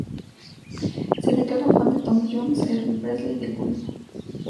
Se declara fan de Tom Jones, Elvis Presley y de Queen.